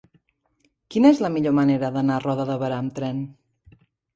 Quina és la millor manera d'anar a Roda de Berà amb tren?